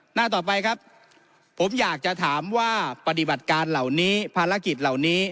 หน้าต่อไปครับผมอยากจะถามว่าปฏิบัติการเหล่านี้ภารกิจเหล่านี้